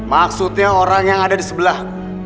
maksudnya orang yang ada di sebelah